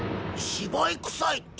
芝居くさいって。